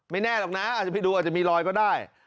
แน่หรอกนะอาจจะไปดูอาจจะมีรอยก็ได้